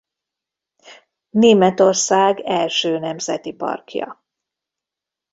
Németország első nemzeti parkja.